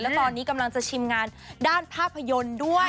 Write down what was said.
และตอนนี้กำลังจะชิมงานด้านภาพยนตร์ด้วย